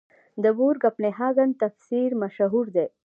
د بور کپنهاګن تفسیر مشهور دی.